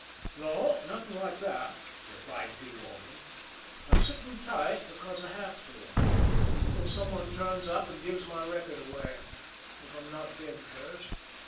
"No; nothing like that," replied P. Walton. "I'm sitting tight because I have to until some one turns up and gives my record away if I'm not dead first.